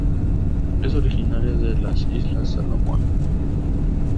Es originaria de las Islas Salomon.